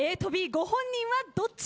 ご本人はどっち？